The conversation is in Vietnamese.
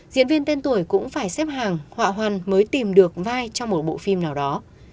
diễn viên tên tuổi cũng phải xếp hàng họ hoàn mới tìm được vai trong một bộ phim nào đó